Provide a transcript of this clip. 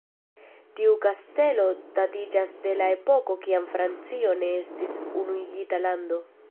Tiu kastelo datiĝas de la epoko kiam Francio ne estis unuigita lando.